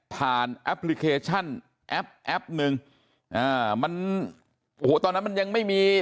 แอปพลิเคชันแอปแอปหนึ่งอ่ามันโอ้โหตอนนั้นมันยังไม่มี